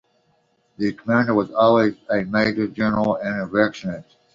The Commandant was always a Major-general or equivalent.